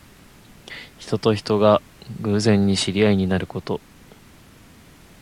人と人とが偶然に知り合いになること。